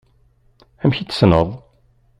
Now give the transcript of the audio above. Amek ay t-tessned?